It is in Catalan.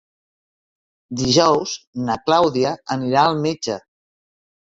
Dijous na Clàudia anirà al metge.